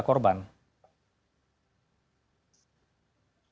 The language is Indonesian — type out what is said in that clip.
apakah perlu ini menjadi perhatian dari keluarga